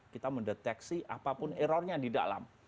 kita mendeteksi apapun errornya di dalam